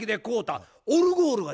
あオルゴールね。